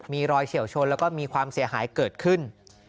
มีรอยเฉียวชนแล้วก็มีความเสียหายเกิดขึ้น